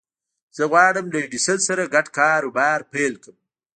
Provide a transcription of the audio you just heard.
زه غواړم له ايډېسن سره ګډ کاروبار پيل کړم.